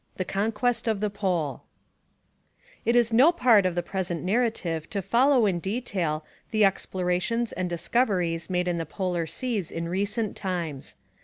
THE CONQUEST OF THE POLE It is no part of the present narrative to follow in detail the explorations and discoveries made in the polar seas in recent times.